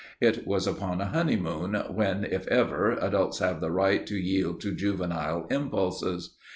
It was upon a honeymoon, when if ever, adults have the right to yield to juvenile impulses.